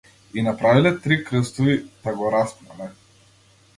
И направиле три крстови та го распнале.